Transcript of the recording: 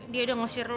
dia udah ngusir lo